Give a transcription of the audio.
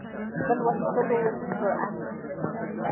د لوستلو سرعت